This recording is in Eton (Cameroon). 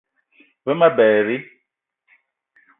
Ve ma berri